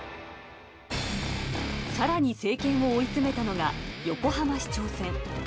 さらに政権を追い詰めたのが、横浜市長選。